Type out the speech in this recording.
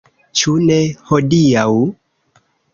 Ĉu ne hodiaŭ?